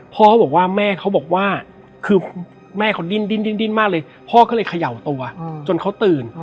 เขาบอกว่าแม่เขาบอกว่าคือแม่เขาดิ้นมากเลยพ่อก็เลยเขย่าตัวจนเขาตื่น